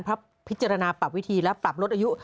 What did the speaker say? พิจารณาปรับวิธีและปรับลดอายุ